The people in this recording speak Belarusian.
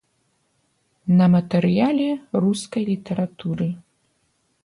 На матэрыяле рускай літаратуры.